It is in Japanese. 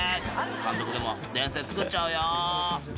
監督でも伝説作っちゃうよ。